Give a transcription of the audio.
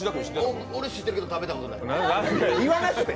俺知ってるけど食べたことない。